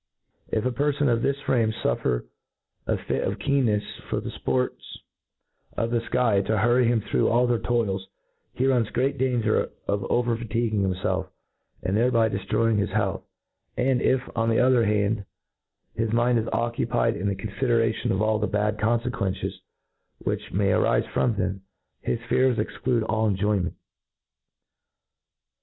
If a perfon of this frame ' fuffer a fit of keenncfs for the fports of the Iky to hurry him through all their toils, he runs great danger of over fatiguing himfclf, and thereby deftroying his health ; and if, on the other hand, his mind is occupied in the confideration of all the bad confequences which may arife from them, his fears exclude all enjoyment.